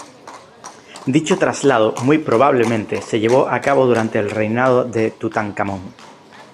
Dicho traslado muy probablemente se llevó a cabo durante el reinado de Tutankamón.